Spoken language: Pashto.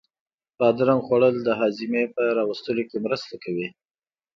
بادرنگ خوړل د هاضمې په را وستلو کې مرسته کوي.